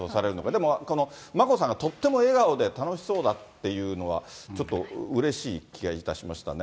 でも眞子さんがとっても笑顔で楽しそうだっていうのは、ちょっと、うれしい気がいたしましたね。